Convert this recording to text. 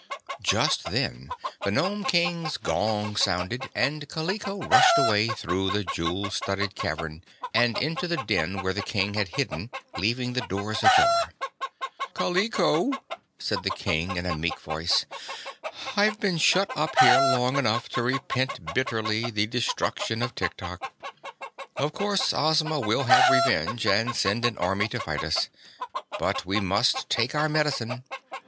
Just then the Nome King's gong sounded, and Kaliko rushed away through the jewel studded cavern and into the den where the King had hidden, leaving the doors ajar. "Kaliko," said the King, in a meek voice, "I've been shut up here long enough to repent bitterly the destruction of Tiktok. Of course Ozma will have revenge, and send an army to fight us, but we must take our medicine.